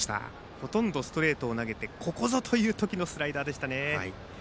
ほとんどストレートを投げてここぞというときのスライダーでしたね。